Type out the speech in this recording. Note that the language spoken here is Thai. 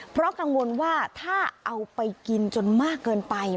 เพราะกังวลว่าถ้าเอาไปกินจนมากเกินไป